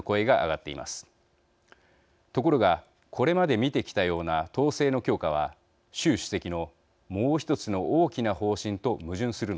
ところがこれまで見てきたような統制の強化は習主席のもう一つの大きな方針と矛盾するのです。